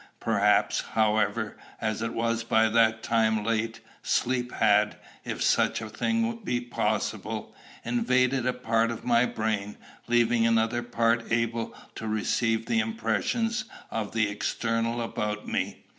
Perhaps, however, as it was by that time late, sleep had, if such a thing be possible, invaded a part of my brain, leaving another part able to receive the impressions of the external about me.